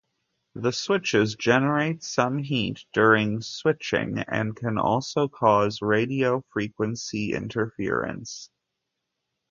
The switches generate some heat during switching and can also cause radio-frequency interference.